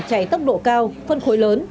chạy tốc độ cao phân khối lớn